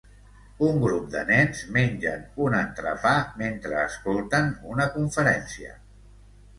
Un grup de nens mengen un entrepà mentre escolten una conferència.